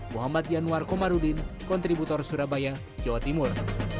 muhammad yanwar komarudin kontributor surabaya jawa timur